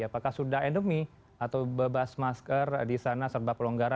apakah sudah endemi atau bebas masker di sana serba pelonggaran